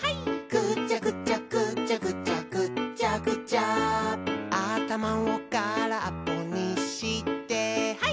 「ぐちゃぐちゃぐちゃぐちゃぐっちゃぐちゃ」「あたまをからっぽにしてハイ！」